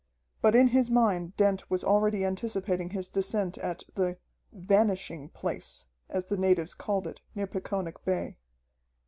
But in his mind Dent was already anticipating his descent at the "Vanishing Place," as the natives called it near Peconic Bay.